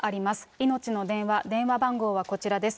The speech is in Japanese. いのちの電話、電話番号はこちらです。